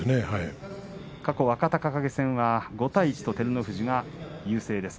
過去若隆景戦は５対１と照ノ富士が優勢です。